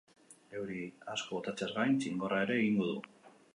Euri asko botatzeaz gain, txingorra ere egingo du.